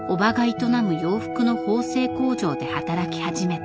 営む洋服の縫製工場で働き始めた。